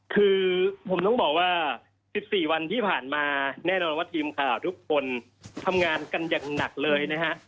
คือผมต้องบอกว่า๑๔วันที่ผ่านมาแน่นอนว่าทีมข่าวทุกคนทำงานกันอย่างหนักเลยนะฮะ